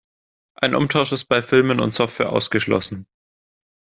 Ein Umtausch ist bei Filmen und Software ausgeschlossen.